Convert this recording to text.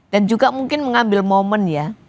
dan juga mungkin mengambil momen ya